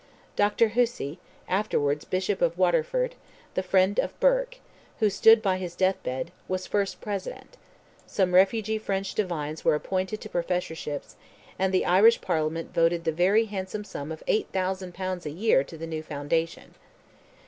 Dr Hussey, afterwards Bishop of Waterford, the friend of Burke, who stood by his deathbed, was first President; some refugee French divines were appointed to professorships; and the Irish Parliament voted the very handsome sum of 8,000 pounds a year to the new foundation.